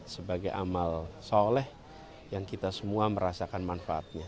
sebagai amal soleh yang kita semua merasakan manfaatnya